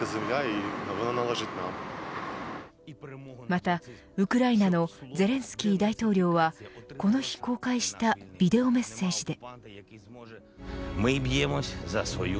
またウクライナのゼレンスキー大統領はこの日公開したビデオメッセージで。